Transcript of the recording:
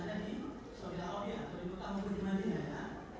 ketika saya tiba di tanah air